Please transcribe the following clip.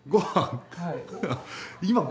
はい。